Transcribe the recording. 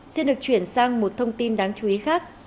xin được chuyển sang một thông tin đáng chú ý khác